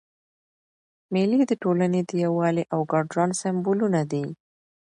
مېلې د ټولني د یووالي او ګډ ژوند سېمبولونه دي.